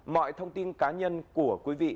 mọi thông tin cá nhân của quý vị